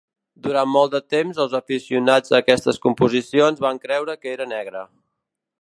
Durant molt de temps els aficionats a aquestes composicions van creure que era negre.